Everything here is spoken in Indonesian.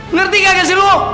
ngerti gak gak sih lo